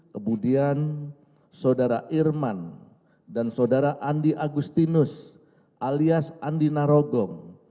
kemudian saudara irman dan saudara andi agustinus alias andi narogong